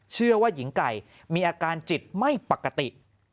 เชื่อว่าหญิงไก่มีอาการจิตไม่ปกติ